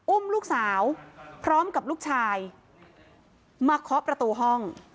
อุ้มลูกสาวพร้อมกับลูกชายมาเคาะประตูห้อง